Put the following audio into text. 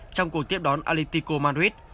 trong cuộc tiếp đón atletico madrid